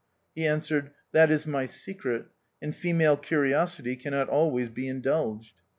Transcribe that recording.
" He answered, " That is my secret ; and female curiosity cannot always be indulged."